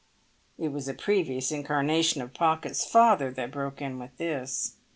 It was a previous incarnation of Pocket's father that broke in with this.